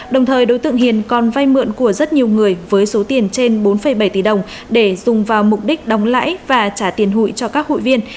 đồng thời đối tượng hiền còn vay mượn của rất nhiều người với số tiền trên bốn bảy tỷ đồng để dùng vào mục đích đóng lãi và trả tiền hụi cho các hụi viên